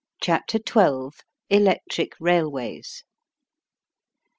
CHAPTER XII. ELECTRIC RAILWAYS.